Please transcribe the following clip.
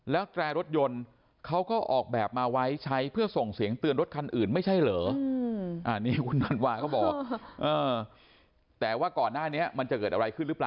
และแรรถยนต์เขาก็ออกแบบมาไว้ใช้เพื่อส่งเสียงเตือนรถคันอื่นไม่ใช่เหรอ